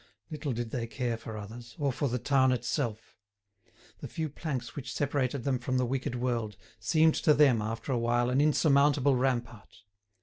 Little did they care for others, or for the town itself! The few planks which separated them from the wicked world seemed to them, after a while, an insurmountable rampart.